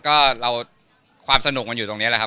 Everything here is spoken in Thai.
ก็เราความสนุกมันอยู่ตรงนี้แหละครับ